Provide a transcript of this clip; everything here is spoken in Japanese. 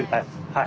はい。